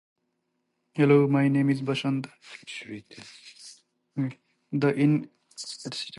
The unincorporated community of Lykens is also located in the town.